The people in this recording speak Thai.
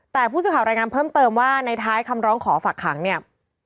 แต่ผู้สื่อข่าวรายงานเพิ่มเติมว่าในท้ายคำร้องขอฝากขังเนี่ย